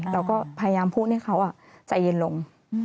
เราก็พยายามพูดให้เขาใจเย็นลง